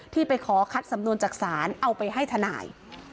ที่ไปขอคัดสำนวนจากศาลเอาไปให้ทนาย